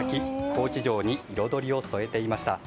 高知城に彩りを添えていました。